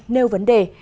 nêu vấn đề